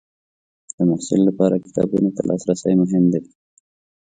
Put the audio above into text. د محصل لپاره کتابونو ته لاسرسی مهم دی.